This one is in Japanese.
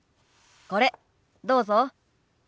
これどうぞ。